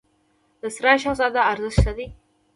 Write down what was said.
د سرای شهزاده ارزښت څه دی؟